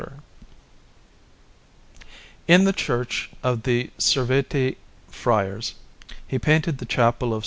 Croce, Florence_)] In the Church of the Servite Friars he painted the Chapel of S.